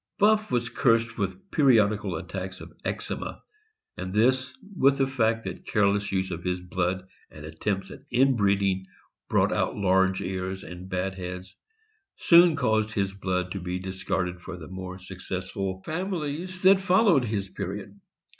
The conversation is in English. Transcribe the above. Buff was cursed with periodical attacks of eczema, and this, with the fact that careless use of his blood and attempts at inbreeding brought out large ears and bad heads, soon caused his blood to be discarded for the more successful families that followed his period.